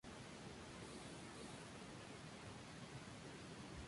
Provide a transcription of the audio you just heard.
Además de sus participaciones en revistas y periódicos, publicó novela, cuento, ensayo y poesía.